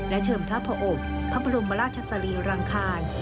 และเชิญพระอบพระบรมราชสรีรังคาร